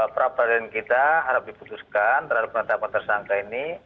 peradilan kita harap diputuskan terhadap penetapan tersangka ini